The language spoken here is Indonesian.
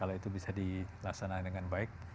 kalau itu bisa dilaksanakan dengan baik